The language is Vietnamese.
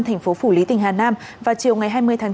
thành phố phủ lý tỉnh hà nam vào chiều ngày hai mươi tháng bốn